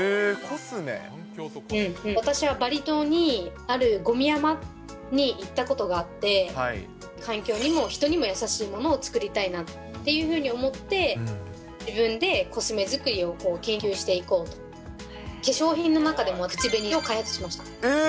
私はバリ島に、あるごみ山に行ったことがあって、環境にも人にも優しいものを作りたいなっていうふうに思って、自分でコスメ作りを研究していこうと、化粧品の中でも、口紅を開えー！